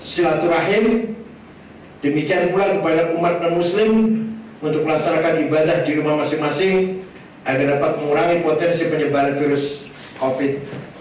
silaturahim demikian pula kepada umat non muslim untuk melaksanakan ibadah di rumah masing masing agar dapat mengurangi potensi penyebaran virus covid sembilan belas